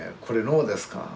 これ脳ですか？